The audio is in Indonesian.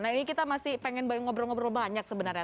nah ini kita masih pengen ngobrol ngobrol banyak sebenarnya